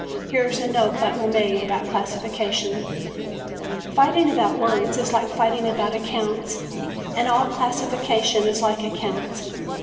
Here is a note Butler made about classification: "Fighting about words is like fighting about accounts, and all classification is like accounts.